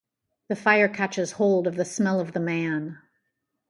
The fire catches hold of the smell of the man.